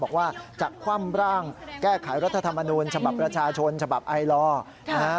บอกว่าจะคว่ำร่างแก้ไขรัฐธรรมนูญฉบับประชาชนฉบับไอลอร์นะฮะ